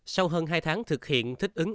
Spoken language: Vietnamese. sau hơn hai tháng thực hiện thích ứng áp